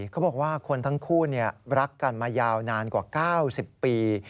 เขาบอกว่าคนทั้งคู่รักกันมายาวนานกว่า๙๐ปี